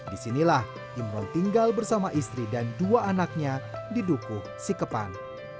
di sinilah imran tinggal bersama istri dan dua anaknya di dukuh sikepan